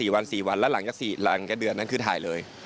แล้วหลังนั้นซีหลังแค่เดือนนั้นคือถ่ายเลย